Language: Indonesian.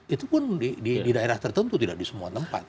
itu pun di daerah tertentu tidak di semua tempat